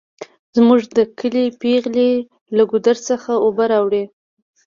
زمونږ د کلي پیغلې له ګودر څخه اوبه راوړي